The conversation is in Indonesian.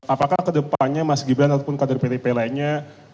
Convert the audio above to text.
apakah kedepannya mas gibran ataupun kader pdp lainnya